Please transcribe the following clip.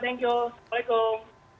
thank you assalamualaikum